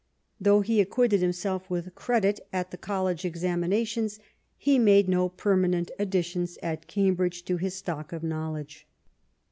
Though he acquitted himself with credit at the College examinations, he made no permanent additions at Cambridge to his stock of knowledge.